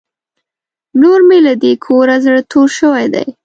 نور مې له دې کوره زړه تور شوی دی.